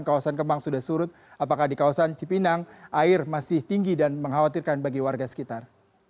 kawasan kemang sudah surut apakah di kawasan cipinang air masih tinggi dan mengkhawatirkan bagi warga sekitar